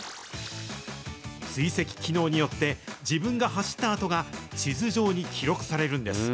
追跡機能によって、自分が走った跡が地図上に記録されるんです。